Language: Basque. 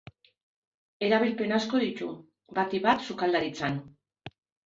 Erabilpen asko ditu, batik bat sukaldaritzan.